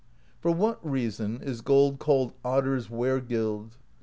"For what reason is gold called Otter's Wergild?